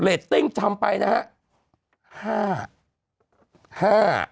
ตติ้งทำไปนะฮะ